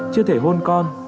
chưa thể hôn con